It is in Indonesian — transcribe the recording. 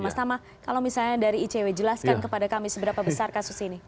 mas tama kalau misalnya dari icw jelaskan kepada kami seberapa besar kasus ini